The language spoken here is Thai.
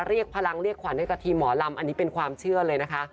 เรียกพลังเรียกขวัญให้กับทีมหมอลำอันนี้เป็นความเชื่อเลยนะคะ